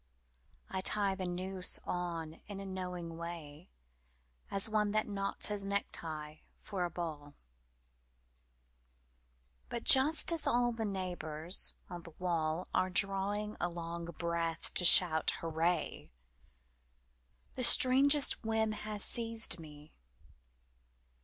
I tie the noose on in a knowing way As one that knots his necktie for a ball; But just as all the neighbours on the wall Are drawing a long breath to shout 'Hurray!' The strangest whim has seized me